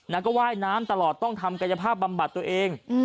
แล้วก็ว่ายน้ำตลอดต้องทำกายภาพบำบัดตัวเอง